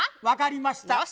分かりました。